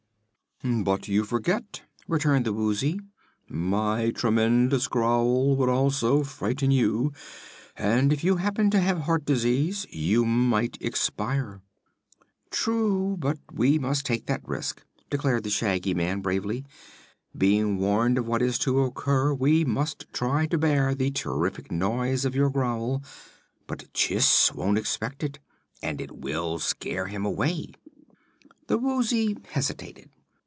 "But you forget," returned the Woozy; "my tremendous growl would also frighten you, and if you happen to have heart disease you might expire." "True; but we must take that risk," decided the Shaggy Man, bravely. "Being warned of what is to occur we must try to bear the terrific noise of your growl; but Chiss won't expect it, and it will scare him away." The Woozy hesitated.